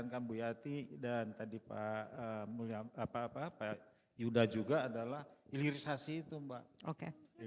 yang ditekan bu yati dan tadi pak yuda juga adalah hilirisasi itu mbak